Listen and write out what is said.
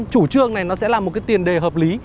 chủ trương này sẽ là một tiền đề hợp lý